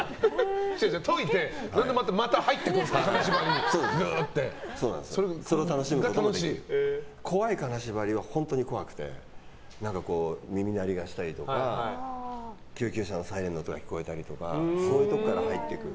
解いてまた入っていくんですか怖い金縛りは本当に怖くて耳鳴りがしたりとか、救急車のサイレンの音が聞こえたりとかそういうところから入っていく。